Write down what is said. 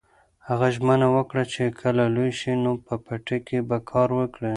هغه ژمنه وکړه چې کله لوی شي نو په پټي کې به کار کوي.